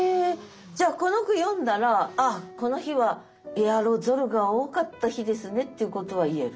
じゃあこの句詠んだら「あっこの日はエアロゾルが多かった日ですね」っていうことは言える？